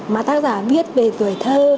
mà tác giả viết về tuổi thơ